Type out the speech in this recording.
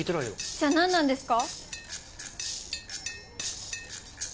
じゃあなんなんですか？